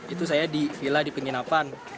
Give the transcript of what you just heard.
itu saya di villa di penginapan